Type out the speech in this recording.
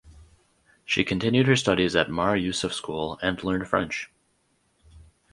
She continued her studies at Mar Yusuf School and learned French.